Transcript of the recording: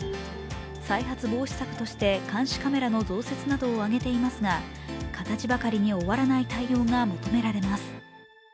再発防止策として監視カメラの増設などを挙げていますが形ばかりに終わらない対応が求められます。